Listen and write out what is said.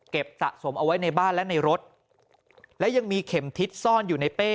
สะสมเอาไว้ในบ้านและในรถและยังมีเข็มทิศซ่อนอยู่ในเป้